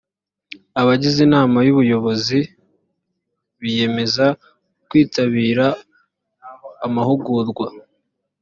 abagize inama y’ubuyobozi biyemeza kwitabira amahugurwa